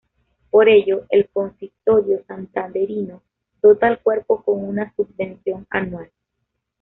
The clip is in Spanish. Por ello, el consistorio santanderino dota al cuerpo con una subvención anual.